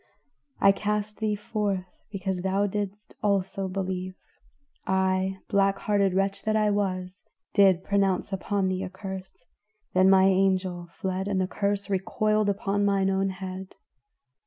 I cast thee forth because thou didst also believe, I, black hearted wretch that I was, did pronounce upon thee a curse, then my angel fled and the curse recoiled upon mine own head.